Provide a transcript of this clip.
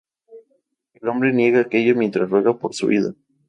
El hombre niega aquello mientras ruega por su vida.